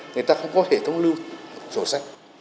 người ta không có hệ thống lưu sổ sách